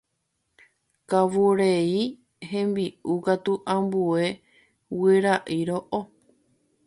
Kavureʼi hembiʼu katu ambue guyraʼi roʼo.